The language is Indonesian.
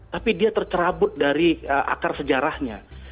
tapi dia tercerabut dari akar sejarahnya